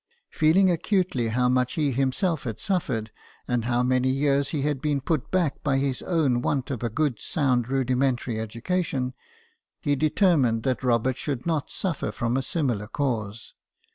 Feeling acutely how much he himself had suffered, and how many years he had been put back, by his own want of a good sound rudi mentary education, he determined that Robert should not suffer from a similar cause.